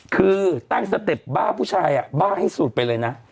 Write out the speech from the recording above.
คือตั้งสเต็ปบ้าผู้ชายบ้าให้สุดไปเลยนะ